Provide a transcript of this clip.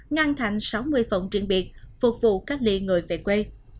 ngang thành sáu mươi phòng truyền biệt phục vụ cách ly người về quê